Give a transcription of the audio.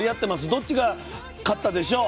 どっちが勝ったでしょう？